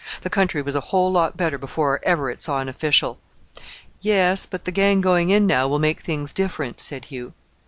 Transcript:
The country was a whole lot better before ever it saw an official." "Yes; but the gang going in now will make things different," said Hugh.